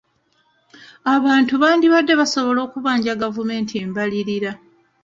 Abantu bandibadde basobola okubanja gavumenti embalirira.